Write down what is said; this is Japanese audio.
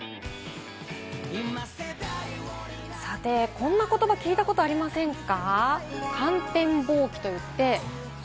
こんな言葉聞いたことありませんか？